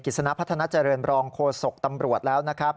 สนพัฒนาเจริญรองโฆษกตำรวจแล้วนะครับ